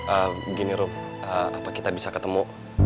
apakah kita bisa bertemu